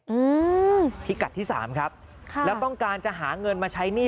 อืมพิกัดที่สามครับค่ะแล้วต้องการจะหาเงินมาใช้หนี้